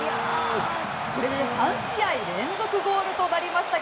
これで３試合連続ゴールとなりました